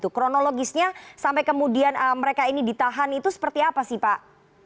kronologisnya sampai kemudian mereka ini ditahan itu seperti apa sih pak